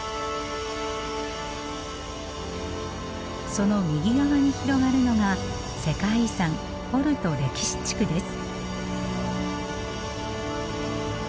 その右側に広がるのが世界遺産ポルト歴史地区です。